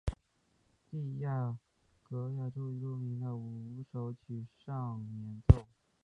蒂亚格拉贾最著名的五首曲上演奏。